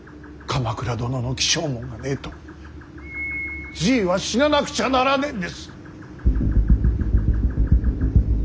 鎌倉殿の起請文がねえとじいは死ななくちゃならねえんです。